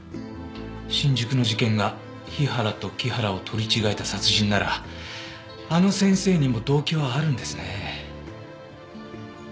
新宿の事件が日原と木原を取り違えた殺人ならあの先生にも動機はあるんですね。